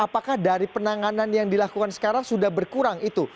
apakah dari penanganan yang dilakukan sekarang sudah berkurang itu